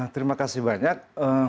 terima kasih banyak